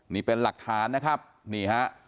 นี่เป็นหลักฐานนะครับนี่ฮะ